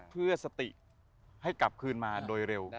เพื่อสติให้กลับคืนมาโดยเร็ว